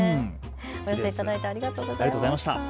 お寄せいただいてありがとうございました。